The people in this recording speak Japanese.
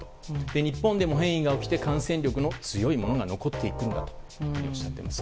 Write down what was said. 日本でも変異をして感染力の強いものが残っていくとおっしゃっています。